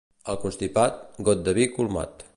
Al constipat, got de vi colmat.